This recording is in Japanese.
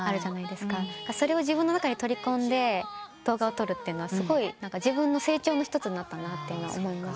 それを自分の中に取り込んで動画を撮るってすごい自分の成長の一つになったと思います。